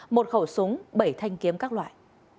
một khẩu súng bảy thanh kiếm các loại